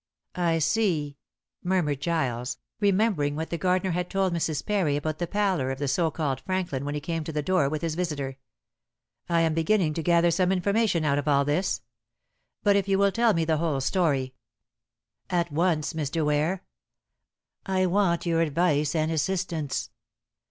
"I see!" murmured Giles, remembering what the gardener had told Mrs. Parry about the pallor of the so called Franklin when he came to the door with his visitor. "I am beginning to gather some information out of all this. But if you will tell me the whole story " "At once, Mr. Ware. I want your advice and assistance.